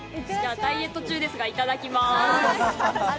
ダイエット中ですがいただきます。